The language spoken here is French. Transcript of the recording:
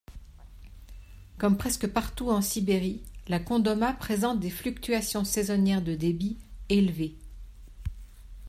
Comme presque partout en Sibérie, la Kondoma présente des fluctuations saisonnières de débit élevées.